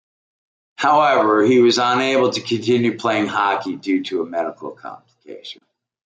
However he was unable to continue playing hockey due to a medical condition.